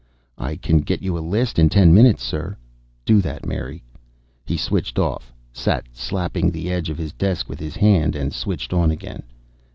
"I can get you a list in ten minutes, sir." "Do that, Mary." He switched off, sat slapping the edge of his desk with his hand, and switched on again.